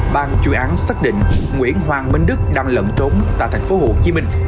bang chủ án xác định nguyễn hoàng minh đức đang lận trốn tại tp hcm